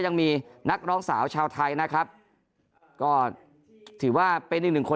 ยังมีนักร้องสาวชาวไทยนะครับก็ถือว่าเป็นอีกหนึ่งคน